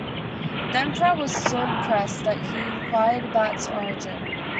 The emperor was so impressed that he inquired about its origin.